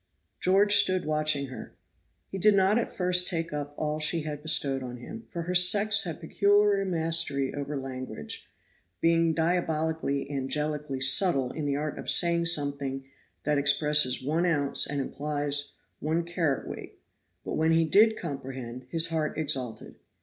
George stood watching her. He did not at first take up all she had bestowed on him, for her sex has peculiar mastery over language, being diabolically angelically subtle in the art of saying something that expresses 1 oz. and implies 1 cwt.; but when he did comprehend, his heart exulted.